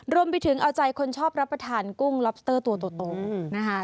รวมไปถึงเอาใจคนชอบรับประทานกุ้งล็อบสเตอร์ตัวโตนะคะ